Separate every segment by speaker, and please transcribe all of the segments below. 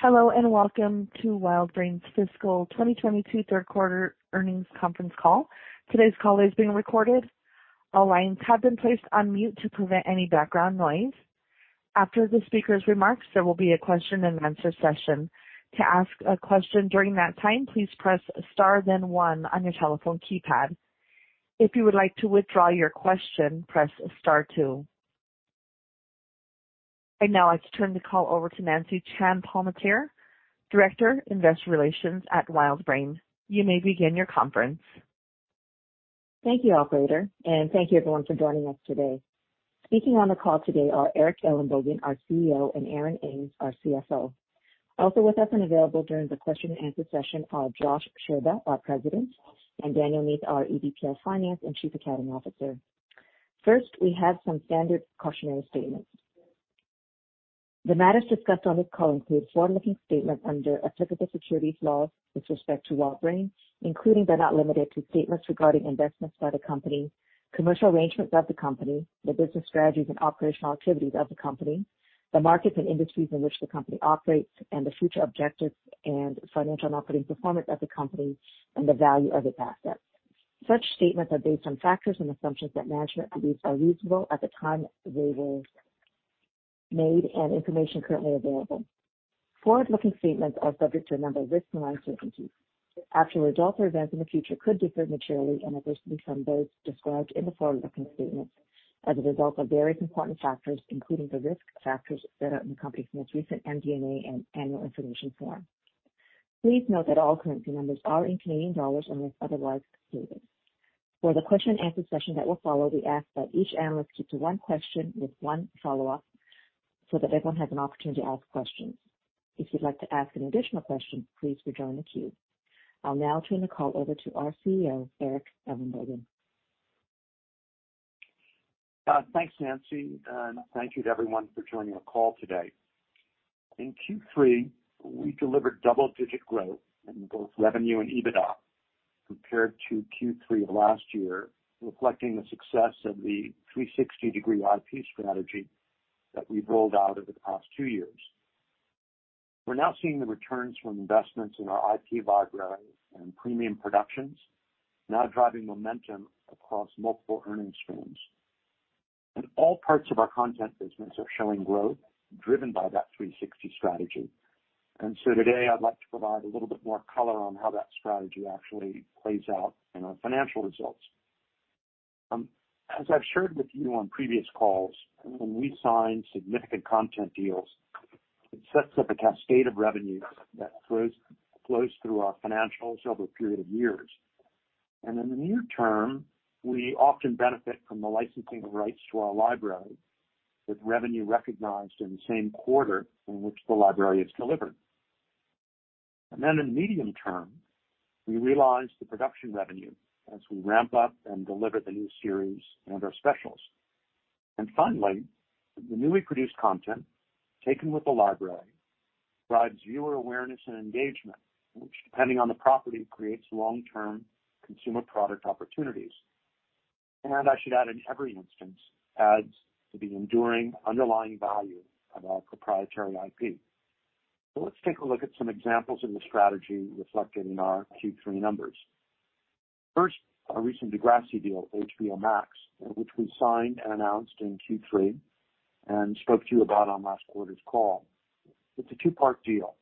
Speaker 1: Hello, and welcome to WildBrain's Fiscal 2022 Third Quarter Earnings Conference Call. Today's call is being recorded. All lines have been placed on mute to prevent any background noise. After the speaker's remarks, there will be a question-and-answer session. To ask a question during that time, please press star, then one on your telephone keypad. If you would like to withdraw your question, press star two. Right now, I'd like to turn the call over to Nancy Chan-Palmateer, Director, Investor Relations at WildBrain. You may begin your conference.
Speaker 2: Thank you, operator, and thank you everyone for joining us today. Speaking on the call today are Eric Ellenbogen, our CEO, and Aaron Ames, our CFO. Also with us and available during the question-and-answer session are Josh Scherba, our President, and Danielle Neath, our EVP of Finance and Chief Accounting Officer. First, we have some standard cautionary statements. The matters discussed on this call include forward-looking statements under applicable securities laws with respect to WildBrain, including but not limited to statements regarding investments by the company, commercial arrangements of the company, the business strategies and operational activities of the company, the markets and industries in which the company operates, and the future objectives and financial and operating performance of the company and the value of its assets. Such statements are based on factors and assumptions that management believes are reasonable at the time they were made, and information currently available. Forward-looking statements are subject to a number of risks and uncertainties. Actual results or events in the future could differ materially and adversely from those described in the forward-looking statements as a result of various important factors, including the risk factors set out in the company's most recent MD&A and annual information form. Please note that all currency numbers are in Canadian dollars unless otherwise stated. For the question-and-answer session that will follow, we ask that each analyst keep to one question with one follow-up so that everyone has an opportunity to ask questions. If you'd like to ask an additional question, please rejoin the queue. I'll now turn the call over to our CEO, Eric Ellenbogen.
Speaker 3: Thanks, Nancy, and thank you to everyone for joining our call today. In Q3, we delivered double-digit growth in both revenue and EBITDA compared to Q3 of last year, reflecting the success of the 360-degree IP strategy that we've rolled out over the past two years. We're now seeing the returns from investments in our IP library and premium productions now driving momentum across multiple earning streams. All parts of our content business are showing growth driven by that 360 strategy. Today I'd like to provide a little bit more color on how that strategy actually plays out in our financial results. As I've shared with you on previous calls, when we sign significant content deals, it sets up a cascade of revenues that flows through our financials over a period of years. In the near term, we often benefit from the licensing of rights to our library, with revenue recognized in the same quarter in which the library is delivered. In medium term, we realize the production revenue as we ramp up and deliver the new series and our specials. Finally, the newly produced content, taken with the library, provides viewer awareness and engagement, which, depending on the property, creates long-term consumer product opportunities. I should add, in every instance, adds to the enduring underlying value of our proprietary IP. Let's take a look at some examples of the strategy reflected in our Q3 numbers. First, our recent Degrassi deal, HBO Max, which we signed and announced in Q3 and spoke to you about on last quarter's call. It's a two-part deal.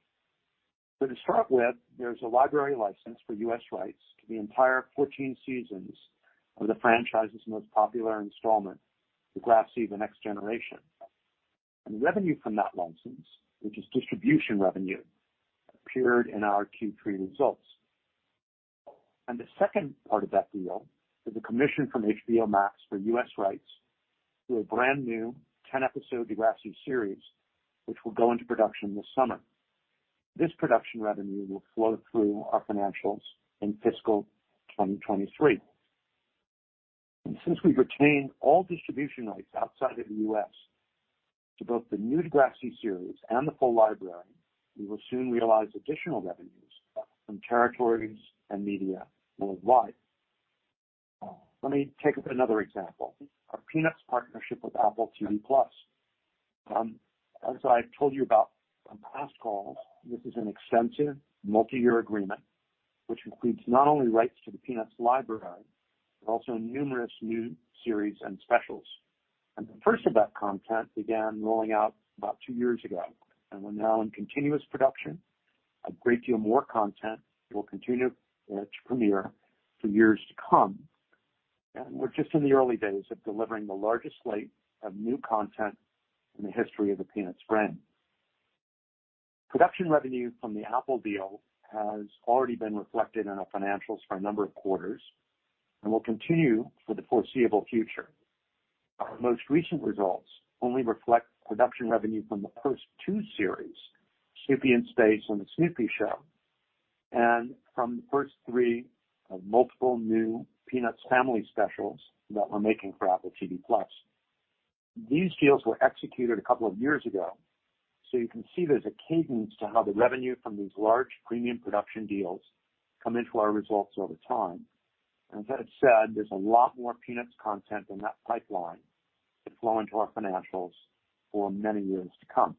Speaker 3: To start with, there's a library license for U.S. rights to the entire 14 seasons of the franchise's most popular installment, Degrassi: The Next Generation. The revenue from that license, which is distribution revenue, appeared in our Q3 results. The second part of that deal is a commission from HBO Max for U.S. rights to a brand-new 10-episode Degrassi series, which will go into production this summer. This production revenue will flow through our financials in fiscal 2023. Since we've retained all distribution rights outside of the U.S. to both the new Degrassi series and the full library, we will soon realize additional revenues from territories and media worldwide. Let me take up another example, our Peanuts partnership with Apple TV+. As I've told you about on past calls, this is an extensive multi-year agreement which includes not only rights to the Peanuts library, but also numerous new series and specials. The first of that content began rolling out about two years ago and we're now in continuous production. A great deal more content will continue to premiere for years to come. We're just in the early days of delivering the largest slate of new content in the history of the Peanuts brand. Production revenue from the Apple deal has already been reflected in our financials for a number of quarters and will continue for the foreseeable future. Our most recent results only reflect production revenue from the first two series, Snoopy in Space and The Snoopy Show, and from the first three of multiple new Peanuts family specials that we're making for Apple TV+. These deals were executed a couple of years ago, so you can see there's a cadence to how the revenue from these large premium production deals come into our results over time. As I said, there's a lot more Peanuts content in that pipeline to flow into our financials for many years to come.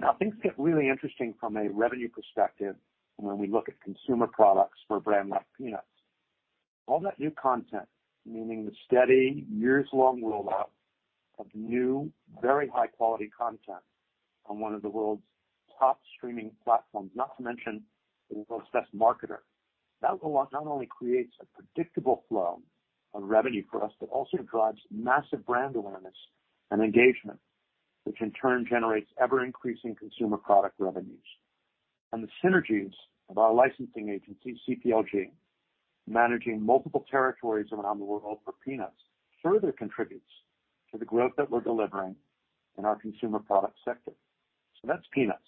Speaker 3: Now things get really interesting from a revenue perspective when we look at consumer products for a brand like Peanuts. All that new content, meaning the steady years long rollout of new, very high quality content on one of the world's top streaming platforms, not to mention the world's best marketer. That not only creates a predictable flow of revenue for us, but also drives massive brand awareness and engagement, which in turn generates ever-increasing consumer product revenues. The synergies of our licensing agency, CPLG, managing multiple territories around the world for Peanuts, further contributes to the growth that we're delivering in our consumer product sector. That's Peanuts.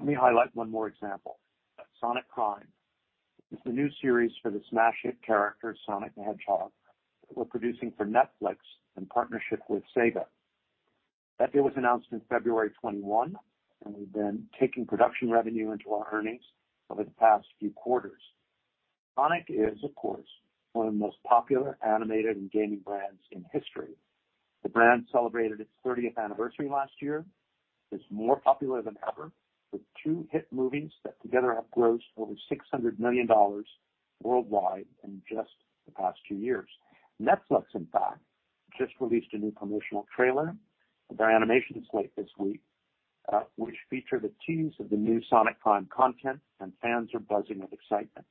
Speaker 3: Let me highlight one more example. Sonic Prime is the new series for the smash hit character Sonic the Hedgehog that we're producing for Netflix in partnership with SEGA. That deal was announced in February 2021, and we've been taking production revenue into our earnings over the past few quarters. Sonic is, of course, one of the most popular animated and gaming brands in history. The brand celebrated its 30th anniversary last year. It's more popular than ever, with two hit movies that together have grossed over $600 million worldwide in just the past two years. Netflix, in fact, just released a new promotional trailer of their animation slate this week, which features the tease of the new Sonic Prime content, and fans are buzzing with excitement.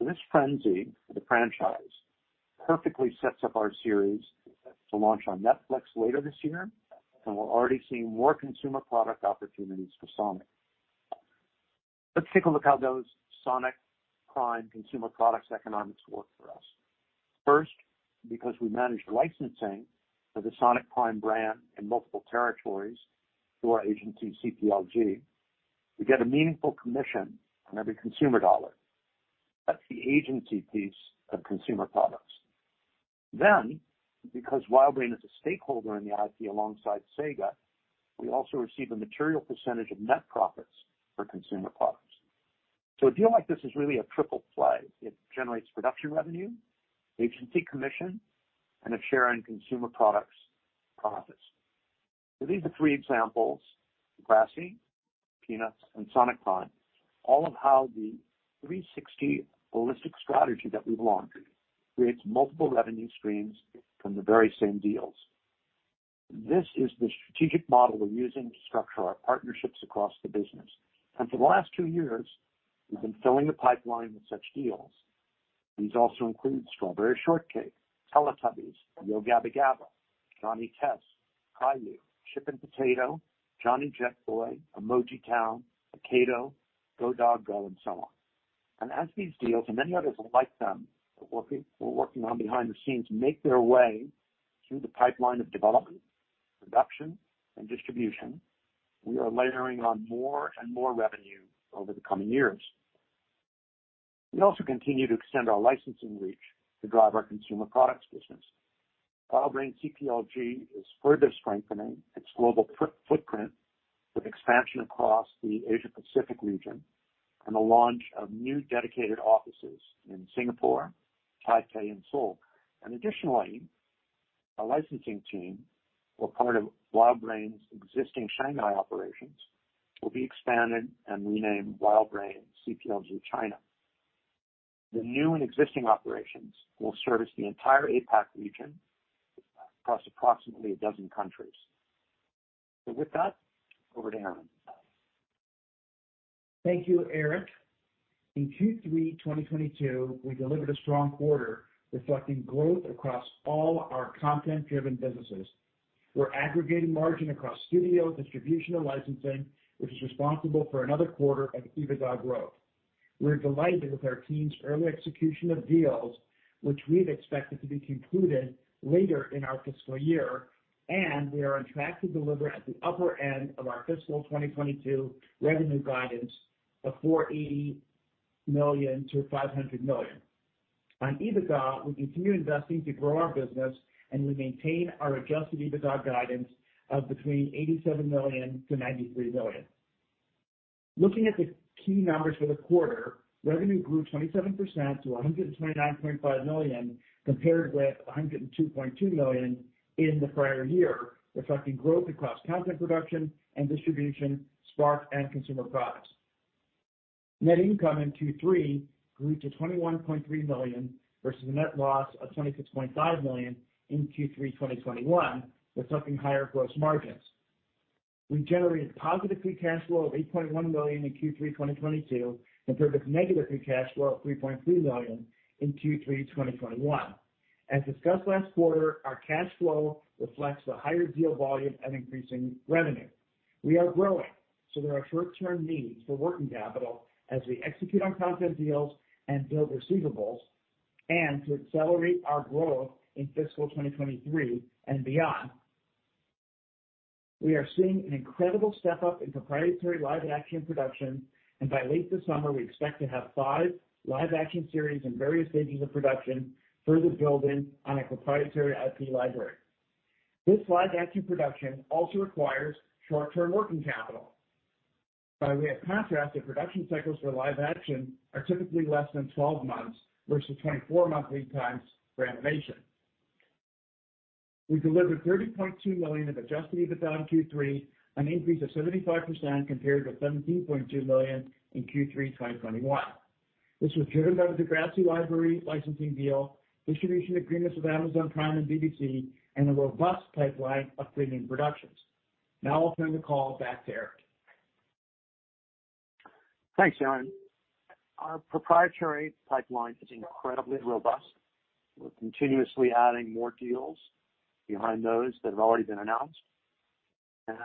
Speaker 3: This frenzy for the franchise perfectly sets up our series to launch on Netflix later this year, and we're already seeing more consumer product opportunities for Sonic. Let's take a look how those Sonic Prime consumer products economics work for us. First, because we manage the licensing for the Sonic Prime brand in multiple territories through our agency, CPLG, we get a meaningful commission on every consumer dollar. That's the agency piece of consumer products. Then, because WildBrain is a stakeholder in the IP alongside SEGA, we also receive a material percentage of net profits for consumer products. A deal like this is really a triple play. It generates production revenue, agency commission, and a share in consumer products profits. These are three examples, Degrassi, Peanuts, and Sonic Prime, all of how the 360 holistic strategy that we've launched creates multiple revenue streams from the very same deals. This is the strategic model we're using to structure our partnerships across the business. For the last two years, we've been filling the pipeline with such deals. These also include Strawberry Shortcake, Teletubbies, Yo Gabba Gabba!, Johnny Test, Caillou, Chip 'N Potato, Jonny Jetboy, emojitown, Akedo, Go, Dog. Go!, and so on. As these deals and many others like them we're working on behind the scenes make their way through the pipeline of development, production and distribution, we are layering on more and more revenue over the coming years. We also continue to extend our licensing reach to drive our consumer products business. WildBrain CPLG is further strengthening its global footprint with expansion across the Asia Pacific region and the launch of new dedicated offices in Singapore, Taipei, and Seoul. Additionally, our licensing team, or part of WildBrain's existing Shanghai operations, will be expanded and renamed WildBrain CPLG China. The new and existing operations will service the entire APAC region across approximately a dozen countries. With that, over to Aaron.
Speaker 4: Thank you, Eric. In Q3 2022, we delivered a strong quarter reflecting growth across all our content-driven businesses. We're aggregating margin across studio, distribution, and licensing, which is responsible for another quarter of EBITDA growth. We're delighted with our team's early execution of deals, which we've expected to be concluded later in our fiscal year, and we are on track to deliver at the upper end of our fiscal 2022 revenue guidance of 480 million-500 million. On EBITDA, we continue investing to grow our business and we maintain our adjusted EBITDA guidance of between 87 million and 93 million. Looking at the key numbers for the quarter, revenue grew 27% to 129.5 million compared with 102.2 million in the prior year, reflecting growth across content production and distribution, Spark and consumer products. Net income in Q3 grew to 21.3 million versus a net loss of 26.5 million in Q3 2021, reflecting higher gross margins. We generated positive free cash flow of 8.1 million in Q3 2022 compared with negative free cash flow of 3.3 million in Q3 2021. As discussed last quarter, our cash flow reflects the higher deal volume and increasing revenue. We are growing, so there are short-term needs for working capital as we execute on content deals and build receivables and to accelerate our growth in fiscal 2023 and beyond. We are seeing an incredible step up in proprietary live action production, and by late this summer, we expect to have five live action series in various stages of production further building on a proprietary IP library. This live action production also requires short-term working capital. By way of contrast, the production cycles for live action are typically less than 12 months versus 24-month lead times for animation. We delivered 30.2 million of Adjusted EBITDA in Q3, an increase of 75% compared to 17.2 million in Q3 2021. This was driven by the Degrassi library licensing deal, distribution agreements with Amazon Prime and BBC, and a robust pipeline of premium productions. Now I'll turn the call back to Eric.
Speaker 3: Thanks, Aaron. Our proprietary pipeline is incredibly robust. We're continuously adding more deals behind those that have already been announced. As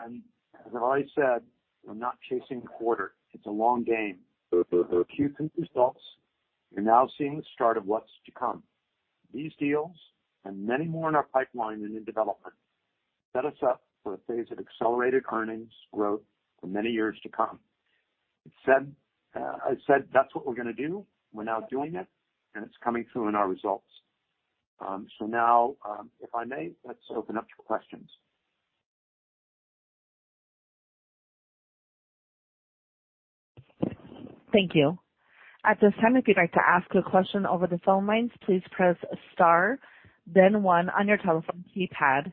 Speaker 3: I've already said, we're not chasing quarter. It's a long game. Q3 results. You're now seeing the start of what's to come. These deals and many more in our pipeline and in development set us up for a phase of accelerated earnings growth for many years to come. I said that's what we're gonna do. We're now doing it, and it's coming through in our results. If I may, let's open up to questions.
Speaker 1: Thank you. At this time, if you'd like to ask a question over the phone lines, please press star then one on your telephone keypad.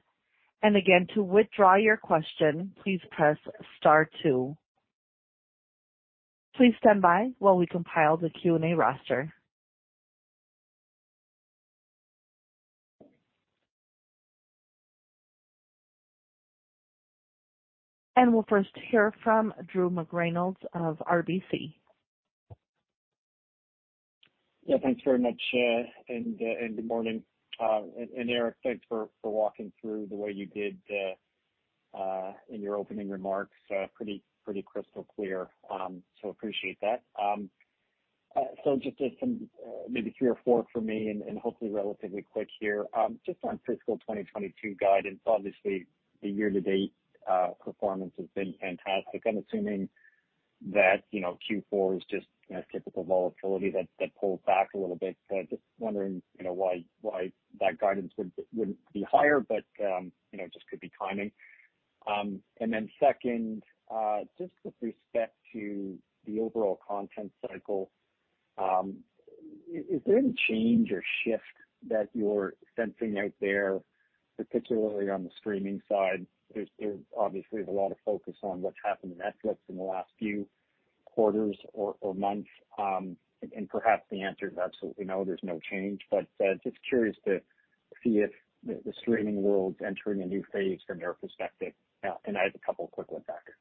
Speaker 1: Again, to withdraw your question, please press star two. Please stand by while we compile the Q&A roster. We'll first hear from Drew McReynolds of RBC.
Speaker 5: Yeah, thanks very much, and good morning. Eric, thanks for walking through the way you did in your opening remarks, pretty crystal clear. Appreciate that. Just some maybe three or four for me and hopefully relatively quick here. Just on fiscal 2022 guidance, obviously the year-to-date performance has been fantastic. I'm assuming that, you know, Q4 is just, you know, typical volatility that pulls back a little bit. I'm just wondering, you know, why that guidance wouldn't be higher, but, you know, just could be timing. Second, just with respect to the overall content cycle, is there any change or shift that you're sensing out there, particularly on the streaming side? There's obviously a lot of focus on what's happened to Netflix in the last few quarters or months. Perhaps the answer is absolutely no, there's no change. Just curious to see if the streaming world's entering a new phase from your perspective. I have a couple quick ones after.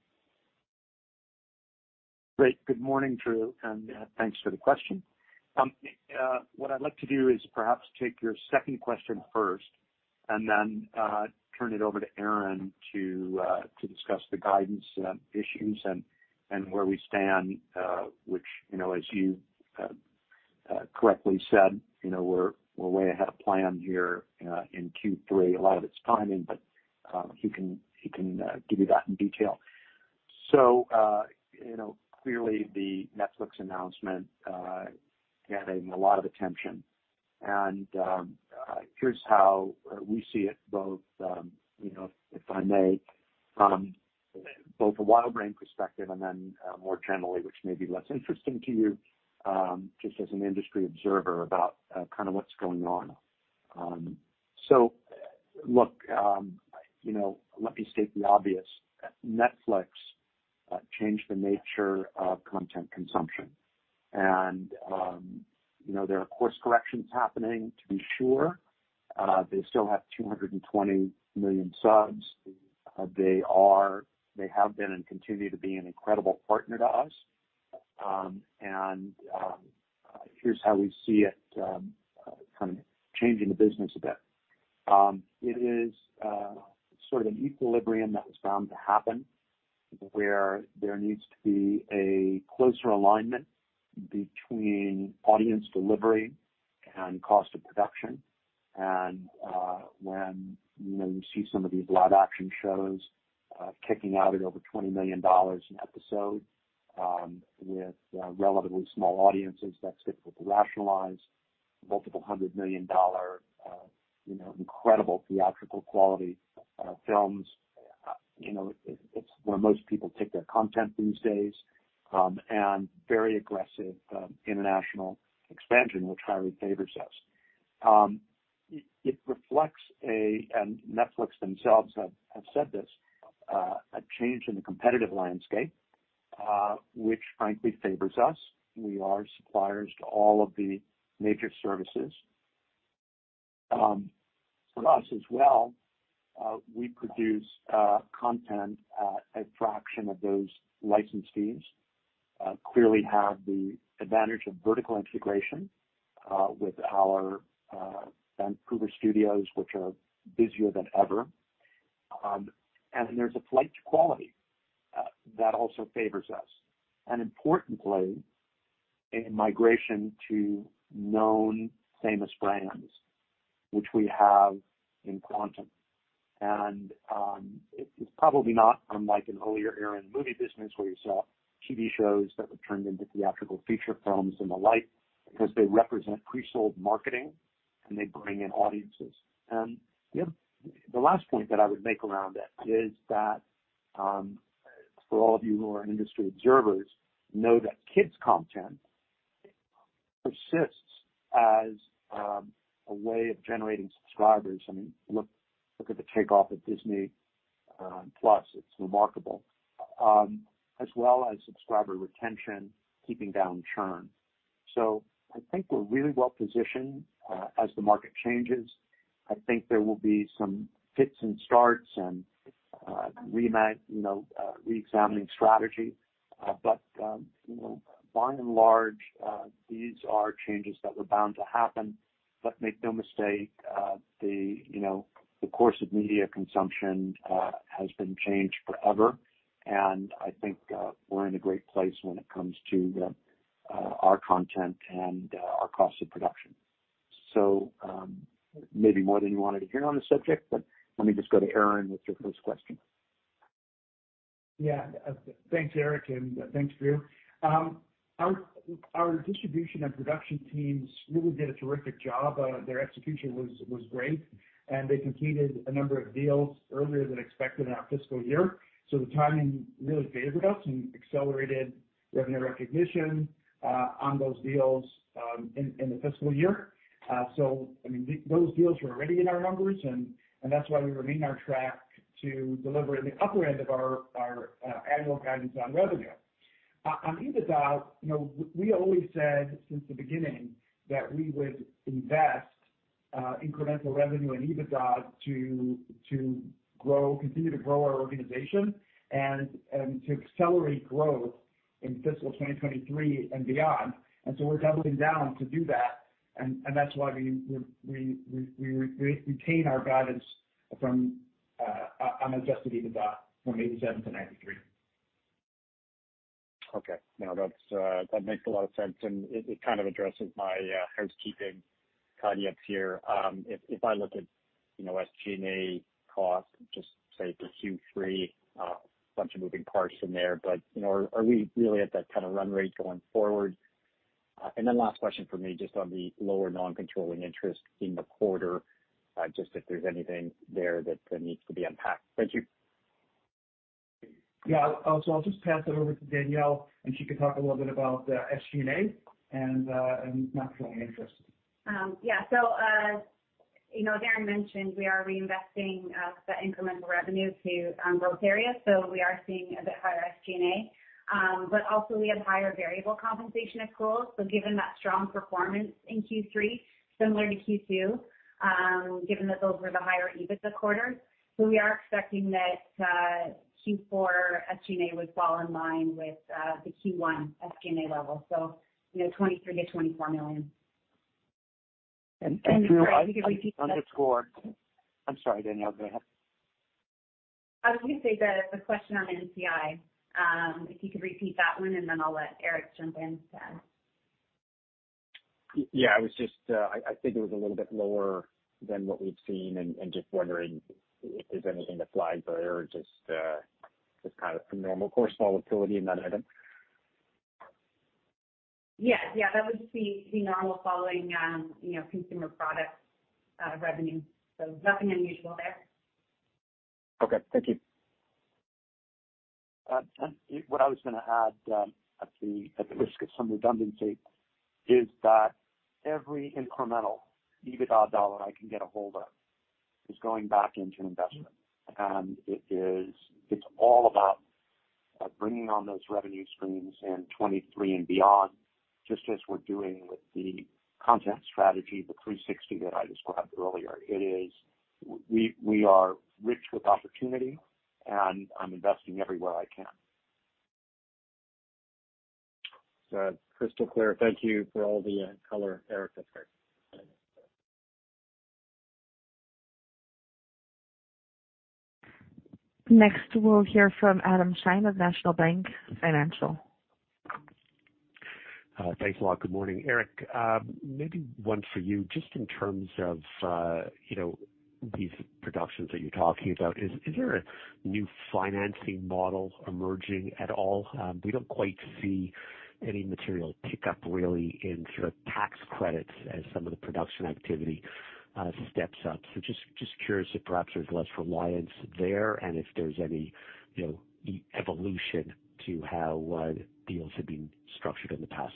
Speaker 3: Great. Good morning, Drew, and thanks for the question. What I'd like to do is perhaps take your second question first and then turn it over to Aaron to discuss the guidance issues and where we stand, which, you know, as you correctly said, you know, we're way ahead of plan here in Q3. A lot of it's timing, but he can give you that in detail. You know, clearly the Netflix announcement getting a lot of attention. Here's how we see it both, you know, if I may, both a WildBrain perspective and then more generally, which may be less interesting to you, just as an industry observer about kinda what's going on. Look, you know, let me state the obvious. Netflix changed the nature of content consumption. You know, there are course corrections happening to be sure. They still have 220 million subs. They have been and continue to be an incredible partner to us. Here's how we see it kind of changing the business a bit. It is sort of an equilibrium that was bound to happen, where there needs to be a closer alignment between audience delivery and cost of production. When, you know, you see some of these live action shows kicking out at over $20 million an episode, with relatively small audiences, that's difficult to rationalize. Multiple hundred million dollar, you know, incredible theatrical quality films. You know, it's where most people take their content these days, and very aggressive international expansion, which highly favors us. It reflects a change in the competitive landscape, and Netflix themselves have said this, which frankly favors us. We are suppliers to all of the major services. For us as well, we produce content at fraction of those license fees. Clearly have the advantage of vertical integration with our Vancouver studios, which are busier than ever. There's a flight to quality that also favors us. Importantly, a migration to known famous brands, which we have in quantum. It's probably not unlike an earlier era in the movie business where you saw TV shows that were turned into theatrical feature films and the like because they represent pre-sold marketing. They bring in audiences. The last point that I would make around it is that, for all of you who are industry observers, you know, kids content persists as a way of generating subscribers. I mean, look at the takeoff of Disney+, it's remarkable. As well as subscriber retention, keeping down churn. I think we're really well positioned as the market changes. I think there will be some fits and starts and, you know, reexamining strategy. You know, by and large, these are changes that were bound to happen. Make no mistake, you know, the course of media consumption has been changed forever, and I think we're in a great place when it comes to our content and our cost of production. Maybe more than you wanted to hear on this subject, but let me just go to Aaron with your first question.
Speaker 4: Yeah. Thanks, Eric, and thanks, Drew. Our distribution and production teams really did a terrific job. Their execution was great, and they completed a number of deals earlier than expected in our fiscal year. The timing really favored us and accelerated revenue recognition on those deals in the fiscal year. I mean, those deals were already in our numbers and that's why we remain on track to deliver in the upper end of our annual guidance on revenue. On EBITDA, you know, we always said since the beginning that we would invest incremental revenue and EBITDA to grow, continue to grow our organization and to accelerate growth in fiscal 2023 and beyond. We're doubling down to do that. That's why we retain our guidance on Adjusted EBITDA from 87-93.
Speaker 5: Okay. No, that makes a lot of sense, and it kind of addresses my housekeeping caveats here. If I look at, you know, SG&A costs, just say for Q3, a bunch of moving parts in there. You know, are we really at that kind of run rate going forward? Then last question for me, just on the lower non-controlling interest in the quarter, just if there's anything there that needs to be unpacked. Thank you.
Speaker 4: I'll just pass it over to Danielle, and she can talk a little bit about SG&A and non-controlling interest.
Speaker 6: Yeah. You know, Aaron mentioned we are reinvesting the incremental revenue to growth areas, so we are seeing a bit higher SG&A. Also we have higher variable compensation and accruals. Given that strong performance in Q3 similar to Q2, given that those were the higher EBITDA quarters. We are expecting that Q4 SG&A would fall in line with the Q1 SG&A level, so you know, 23 million-24 million.
Speaker 5: Drew.
Speaker 6: Sorry, if you could repeat that.
Speaker 5: I'm sorry, Danielle, go ahead.
Speaker 6: Can you say the question on NCI? If you could repeat that one and then I'll let Eric jump in to add.
Speaker 5: Yeah. I was just, I think it was a little bit lower than what we've seen and just wondering if there's anything that flags there or just kind of some normal course volatility in that item.
Speaker 6: Yeah. That would just be the normal follow-on, you know, consumer product revenue. Nothing unusual there.
Speaker 5: Okay, thank you.
Speaker 3: What I was gonna add, at the risk of some redundancy, is that every incremental EBITDA dollar I can get a hold of is going back into investment. It is all about bringing on those revenue streams in 2023 and beyond, just as we're doing with the content strategy, the 360 that I described earlier. We are rich with opportunity, and I'm investing everywhere I can.
Speaker 5: That's crystal clear. Thank you for all the color, Eric. That's great.
Speaker 1: Next, we'll hear from Adam Shine of National Bank Financial.
Speaker 7: Thanks a lot. Good morning, Eric. Maybe one for you, just in terms of, you know, these productions that you're talking about. Is there a new financing model emerging at all? We don't quite see any material pickup really in sort of tax credits as some of the production activity steps up. Just curious if perhaps there's less reliance there and if there's any, you know, evolution to how deals have been structured in the past.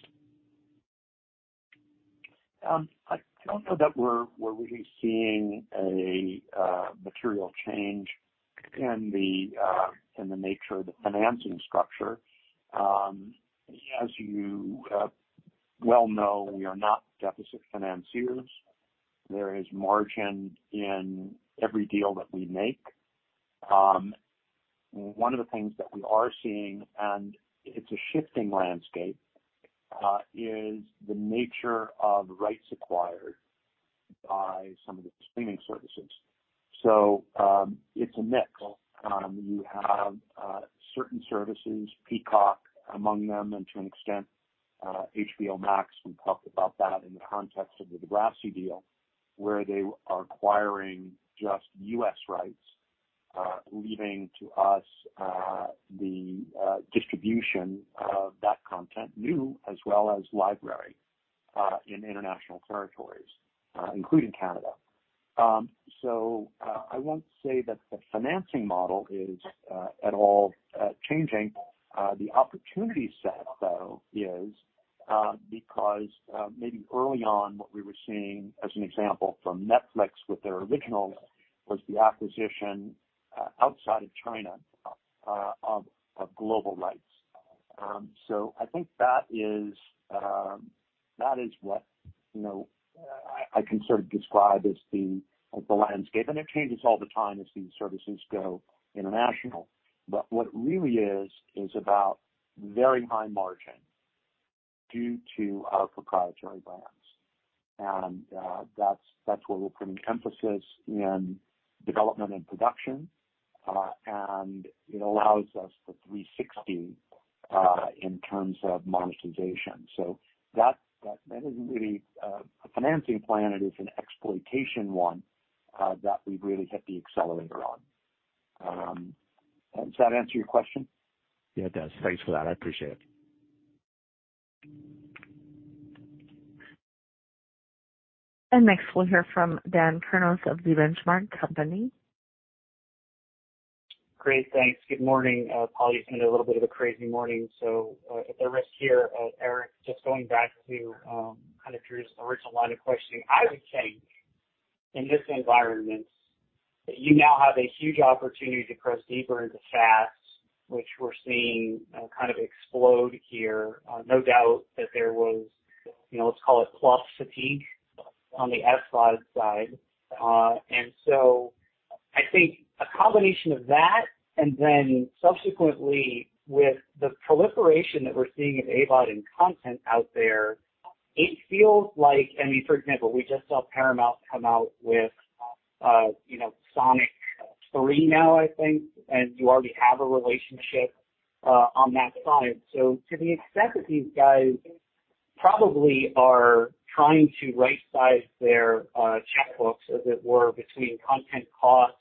Speaker 7: I don't know that we're really seeing a material change in the nature of the financing structure. As you well know, we are not deficit financiers. There is margin in every deal that we make.
Speaker 3: One of the things that we are seeing, and it's a shifting landscape, is the nature of rights acquired by some of the streaming services. It's a mix. You have certain services, Peacock among them, and to an extent, HBO Max. We talked about that in the context of the Degrassi deal, where they are acquiring just U.S. rights, leaving to us the distribution of that content, new as well as library, in international territories, including Canada. I won't say that the financing model is at all changing. The opportunity set, though, is because maybe early on, what we were seeing as an example from Netflix with their originals was the acquisition outside of China of global rights. I think that is what you know I can sort of describe as the landscape, and it changes all the time as these services go international. What it really is is about very high margin due to our proprietary brands. That's where we're putting emphasis in development and production. It allows us to 360 in terms of monetization. That isn't really a financing plan, it is an exploitation one that we've really hit the accelerator on. Does that answer your question? Yeah, it does. Thanks for that. I appreciate it.
Speaker 1: Next, we'll hear from Dan Kurnos of The Benchmark Company.
Speaker 8: Great. Thanks. Good morning. Paul, it's been a little bit of a crazy morning, so at the risk here, Eric, just going back to kind of your original line of questioning, I would say in this environment that you now have a huge opportunity to press deeper into FAST, which we're seeing kind of explode here. No doubt that there was, you know, let's call it subscription fatigue on the SVOD side. I think a combination of that and then subsequently with the proliferation that we're seeing of AVOD and content out there, it feels like, I mean, for example, we just saw Paramount come out with, you know, Sonic 3 now, I think, and you already have a relationship on that side. To the extent that these guys probably are trying to right size their checkbooks, as it were, between content costs,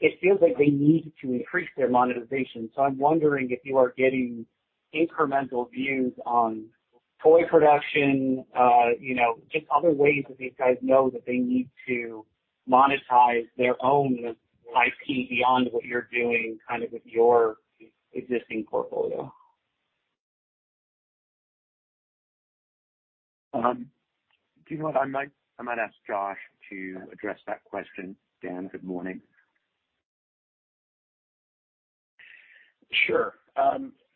Speaker 8: it feels like they need to increase their monetization. I'm wondering if you are getting incremental views on toy production, you know, just other ways that these guys know that they need to monetize their own IP beyond what you're doing kind of with your existing portfolio.
Speaker 3: Do you know what? I might ask Josh to address that question. Dan, good morning.
Speaker 9: Sure.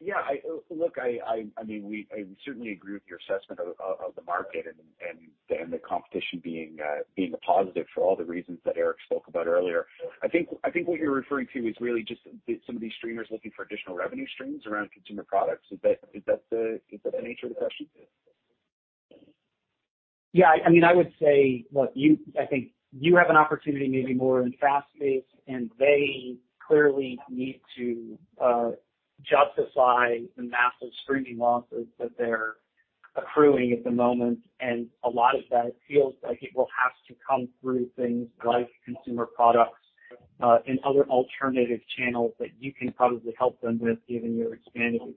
Speaker 9: Yeah, I look, I mean I certainly agree with your assessment of the market and the competition being a positive for all the reasons that Eric spoke about earlier. I think what you're referring to is really just some of these streamers looking for additional revenue streams around consumer products. Is that the nature of the question?
Speaker 8: Yeah. I mean, I would say, look, you, I think you have an opportunity maybe more in FAST space, and they clearly need to justify the massive streaming losses that they're accruing at the moment. A lot of that feels like it will have to come through things like consumer products, and other alternative channels that you can probably help them with given your expanding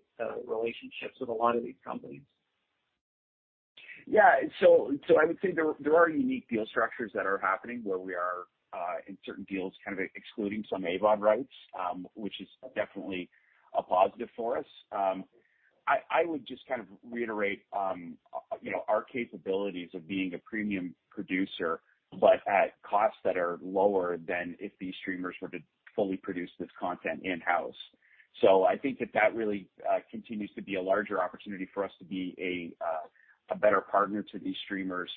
Speaker 8: relationships with a lot of these companies.
Speaker 9: Yeah. I would say there are unique deal structures that are happening where we are, in certain deals, kind of excluding some AVOD rights, which is definitely a positive for us. I would just kind of reiterate, you know, our capabilities of being a premium producer, but at costs that are lower than if these streamers were to fully produce this content in-house. I think that really continues to be a larger opportunity for us to be a better partner to these streamers,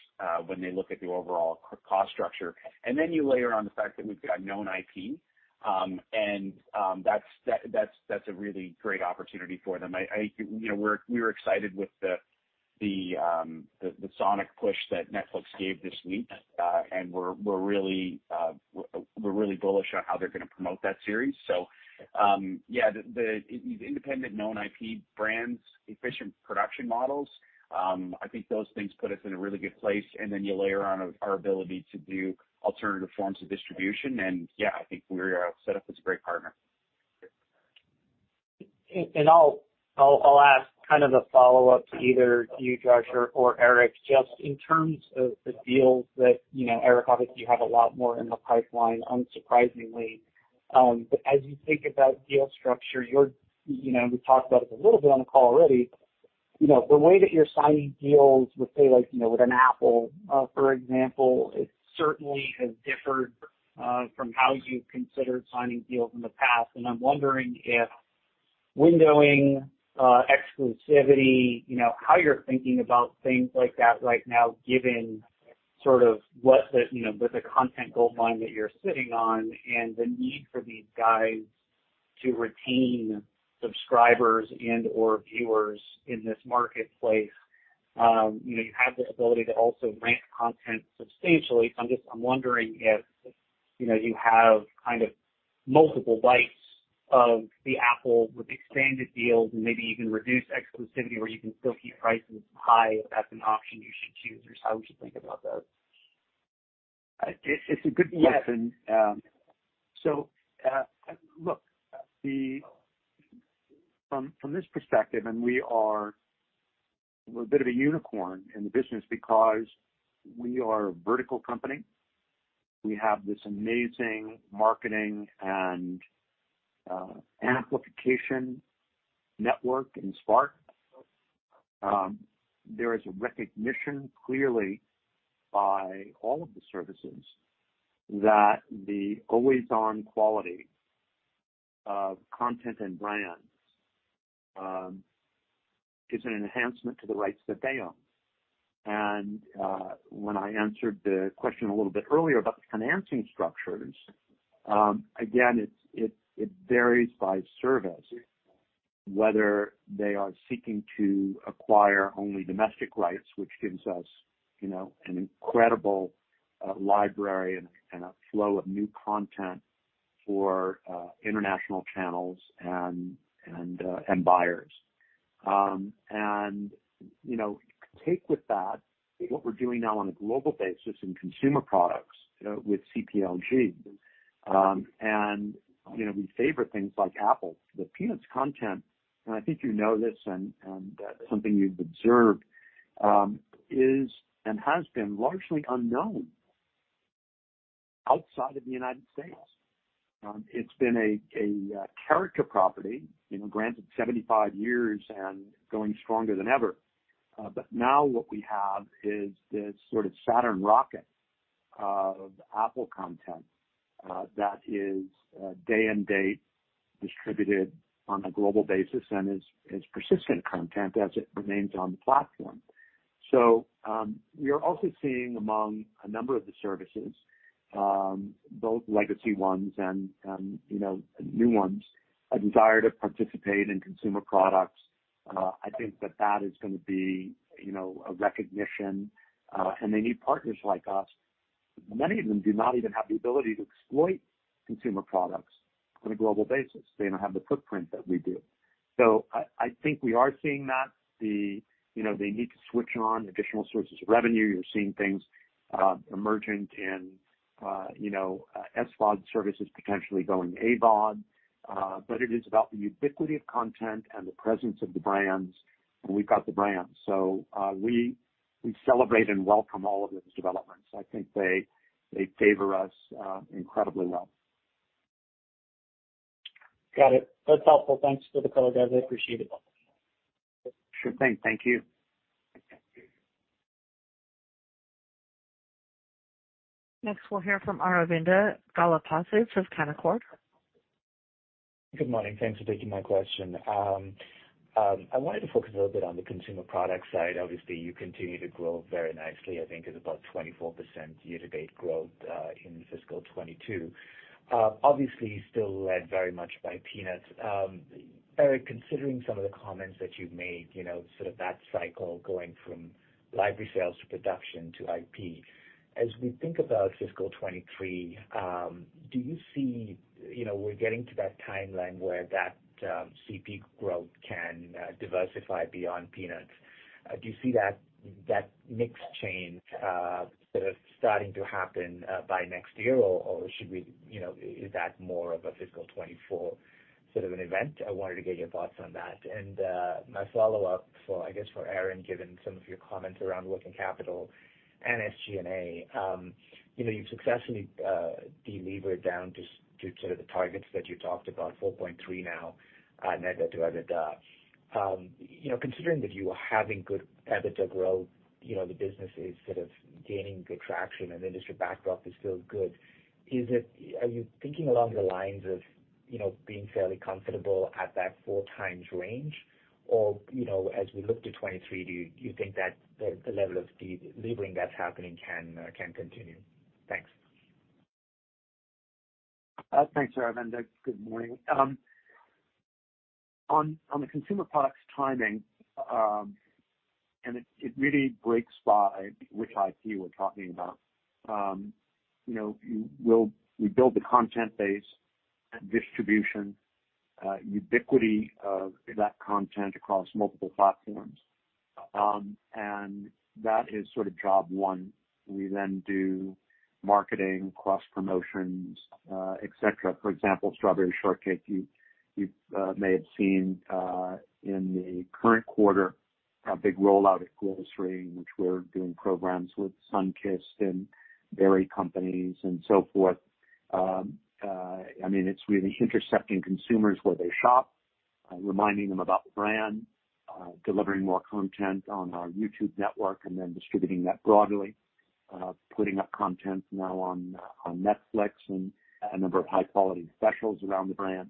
Speaker 9: when they look at the overall cost structure. Then you layer on the fact that we've got known IP, and that's a really great opportunity for them. You know, we're excited with the Sonic push that Netflix gave this week. We're really bullish on how they're gonna promote that series. The independent known IP brands, efficient production models, I think those things put us in a really good place. Then you layer on our ability to do alternative forms of distribution, and I think we are set up as a great partner.
Speaker 8: I'll ask kind of a follow-up to either you, Josh or Eric, just in terms of the deals that, you know, Eric, obviously you have a lot more in the pipeline, unsurprisingly. But as you think about deal structure, you're, you know, we've talked about it a little bit on the call already. You know, the way that you're signing deals with, say, like, you know, with an Apple, for example, it certainly has differed from how you've considered signing deals in the past. I'm wondering if windowing, exclusivity, you know, how you're thinking about things like that right now, given sort of what the, you know, with the content goldmine that you're sitting on and the need for these guys to retain subscribers and/or viewers in this marketplace. You know, you have the ability to also rank content substantially. I'm just, I'm wondering if, you know, you have kind of multiple bites of the Apple with expanded deals and maybe even reduce exclusivity where you can still keep prices high if that's an option you should choose, or how we should think about those.
Speaker 3: It's a good question. Look, from this perspective, and we are a bit of a unicorn in the business because we have this amazing marketing and amplification network in Spark. There is a recognition, clearly by all of the services that the always-on quality of content and brands is an enhancement to the rights that they own. When I answered the question a little bit earlier about the financing structures, again, it varies by service, whether they are seeking to acquire only domestic rights, which gives us, you know, an incredible library and a flow of new content for international channels and buyers. You know, take with that what we're doing now on a global basis in consumer products, you know, with CPLG. You know, we favor things like Apple. The Peanuts content, and I think you know this and something you've observed, is and has been largely unknown outside of the United States. It's been a character property, you know, granted 75 years and going stronger than ever. Now what we have is this sort of Saturn rocket of Apple content, that is, day and date distributed on a global basis and is persistent content as it remains on the platform. We are also seeing among a number of the services, both legacy ones and, you know, new ones, a desire to participate in consumer products. I think that is gonna be, you know, a recognition. They need partners like us. Many of them do not even have the ability to exploit consumer products on a global basis. They don't have the footprint that we do. I think we are seeing that. You know, they need to switch on additional sources of revenue. You're seeing things emerging in SVOD services potentially going AVOD. It is about the ubiquity of content and the presence of the brands, and we've got the brands. We celebrate and welcome all of those developments. I think they favor us incredibly well.
Speaker 8: Got it. That's helpful. Thanks for the color, guys. I appreciate it.
Speaker 3: Sure thing. Thank you.
Speaker 1: Next, we'll hear from Aravinda Galappatthige of Canaccord.
Speaker 10: Good morning. Thanks for taking my question. I wanted to focus a little bit on the consumer product side. Obviously, you continue to grow very nicely. I think it's about 24% year-to-date growth in fiscal 2022. Obviously, still led very much by Peanuts. Eric, considering some of the comments that you've made, you know, sort of that cycle going from library sales to production to IP. As we think about fiscal 2023, do you see, you know, we're getting to that timeline where that CP growth can diversify beyond Peanuts? Do you see that mix change sort of starting to happen by next year? Or should we, you know, is that more of a fiscal 2024 sort of an event? I wanted to get your thoughts on that. My follow-up for, I guess, for Aaron, given some of your comments around working capital and SG&A. You know, you've successfully delevered down to sort of the targets that you talked about, 4.3 now, net debt to EBITDA. You know, considering that you are having good EBITDA growth, you know, the business is sort of gaining good traction and industry backdrop is still good, are you thinking along the lines of, you know, being fairly comfortable at that 4x range? Or, you know, as we look to 2023, do you think that the level of de-levering that's happening can continue? Thanks.
Speaker 3: Thanks, Aravinda. Good morning. On the consumer products timing, and it really breaks by which IP we're talking about. You know, we'll build the content base and distribution, ubiquity of that content across multiple platforms. That is sort of job one. We then do marketing, cross promotions, et cetera. For example, Strawberry Shortcake, you may have seen, in the current quarter a big rollout at grocery, in which we're doing programs with Sunkist and berry companies and so forth. I mean, it's really intercepting consumers where they shop, reminding them about the brand, delivering more content on our YouTube network and then distributing that broadly. Putting up content now on Netflix and a number of high-quality specials around the brand.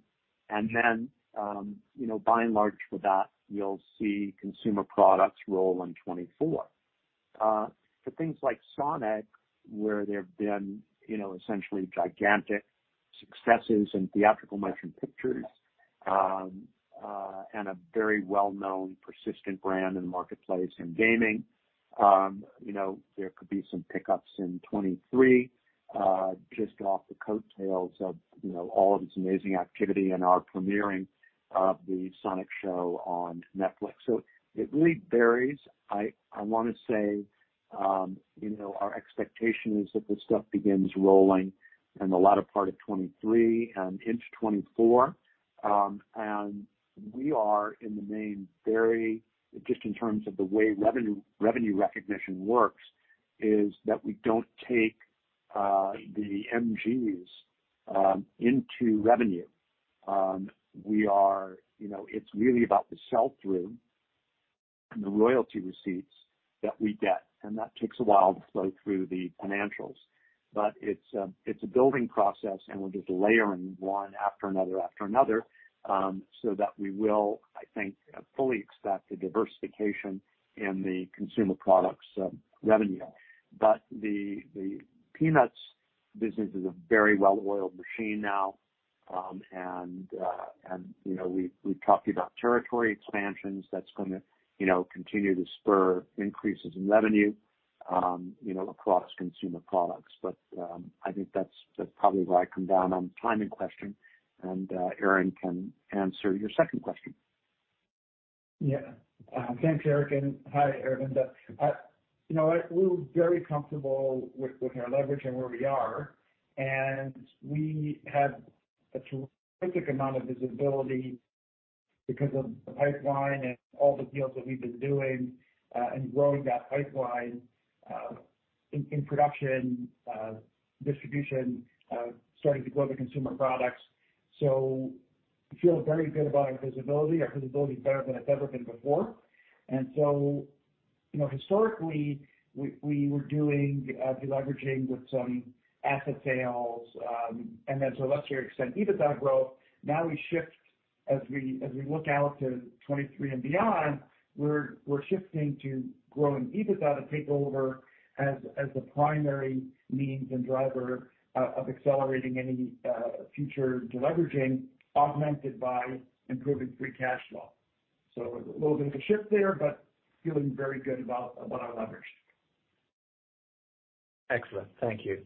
Speaker 3: You know, by and large for that, you'll see consumer products roll in 2024. For things like Sonic, where there have been, you know, essentially gigantic successes in theatrical motion pictures, and a very well-known persistent brand in the marketplace in gaming. You know, there could be some pickups in 2023, just off the coattails of, you know, all of this amazing activity and our premiering of the Sonic show on Netflix. So it really varies. I wanna say, you know, our expectation is that this stuff begins rolling in the latter part of 2023 and into 2024. We are in the main very just in terms of the way revenue recognition works is that we don't take the MGs into revenue. You know, it's really about the sell-through and the royalty receipts that we get, and that takes a while to flow through the financials. It's a building process, and we're just layering one after another after another, so that we will, I think, fully expect a diversification in the consumer products revenue. The Peanuts business is a very well-oiled machine now. And, you know, we've talked to you about territory expansions that's gonna, you know, continue to spur increases in revenue, you know, across consumer products. I think that's probably where I come down on the timing question, and Aaron can answer your second question.
Speaker 4: Yeah. Thanks, Eric, and hi, Arvind. You know what? We're very comfortable with our leverage and where we are, and we have a terrific amount of visibility because of the pipeline and all the deals that we've been doing, and growing that pipeline, in production, distribution, starting to grow the consumer products. We feel very good about our visibility. Our visibility is better than it's ever been before. You know, historically, we were doing deleveraging with some asset sales, and then to a lesser extent, EBITDA growth. Now we shift as we look out to 2023 and beyond, we're shifting to growing EBITDA to take over as the primary means and driver of accelerating any future deleveraging, augmented by improving free cash flow. A little bit of a shift there, but feeling very good about our leverage.
Speaker 10: Excellent. Thank you.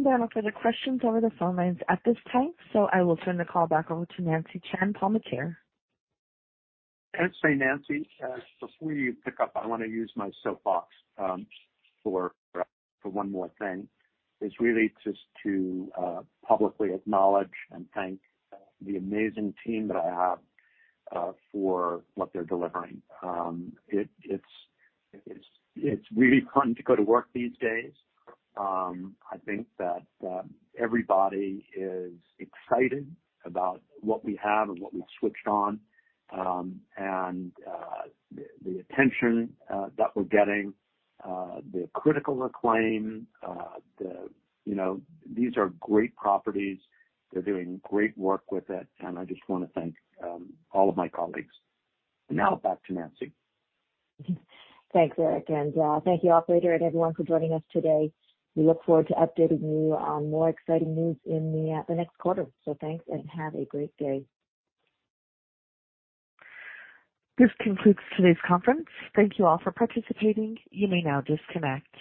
Speaker 1: There are no further questions over the phone lines at this time, so I will turn the call back over to Nancy Chan-Palmateer.
Speaker 3: Can I just say, Nancy, before you pick up, I wanna use my soapbox for one more thing. It's really just to publicly acknowledge and thank the amazing team that I have for what they're delivering. It's really fun to go to work these days. I think that everybody is excited about what we have and what we've switched on, and the attention that we're getting, the critical acclaim, the. You know, these are great properties. They're doing great work with it, and I just wanna thank all of my colleagues. Now back to Nancy.
Speaker 2: Thanks, Eric. Thank you, operator, and everyone for joining us today. We look forward to updating you on more exciting news in the next quarter. Thanks, and have a great day.
Speaker 1: This concludes today's conference. Thank you all for participating. You may now disconnect.